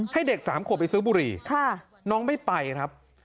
ให้เด็ก๓ขวบไปซื้อบุหรี่น้องไม่ไปครับ